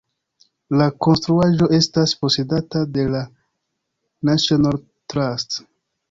La konstruaĵo estas posedata de la National Trust.